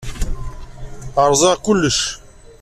Rẓiɣ kullec.